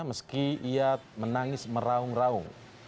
meski ia menangis merahung rahung